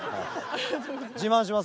自慢します